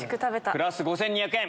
プラス５２００円。